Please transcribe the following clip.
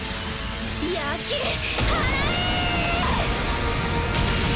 焼き払え！！